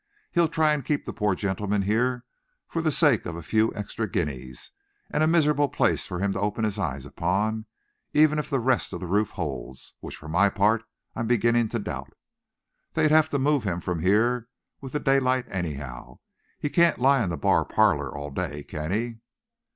He'll try and keep the poor gentleman here for the sake of a few extra guineas, and a miserable place for him to open his eyes upon, even if the rest of the roof holds, which for my part I'm beginning to doubt. They'd have to move him from here with the daylight, anyhow. He can't lie in the bar parlour all day, can he?"